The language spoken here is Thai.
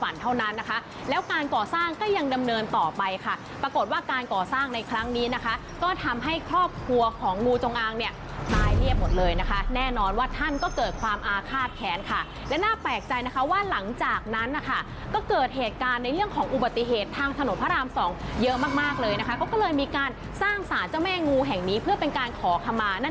เท่านั้นนะคะแล้วการก่อสร้างก็ยังดำเนินต่อไปค่ะปรากฏว่าการก่อสร้างในครั้งนี้นะคะก็ทำให้ครอบครัวของงูจงอางเนี่ยตายเรียบหมดเลยนะคะแน่นอนว่าท่านก็เกิดความอาฆาตแค้นค่ะและน่าแปลกใจนะคะว่าหลังจากนั้นนะคะก็เกิดเหตุการณ์ในเรื่องของอุบัติเหตุทางถนนพระรามสองเยอะมากมากเลยนะคะเขาก็เลยมีการสร้างสารเจ้าแม่งูแห่งนี้เพื่อเป็นการขอขมานั่น